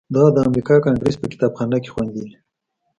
دا د امریکا کانګریس په کتابخانه کې خوندي ده.